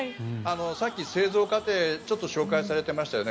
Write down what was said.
さっき、製造過程ちょっと紹介されてましたよね。